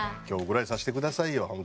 「今日ぐらいさせてくださいよ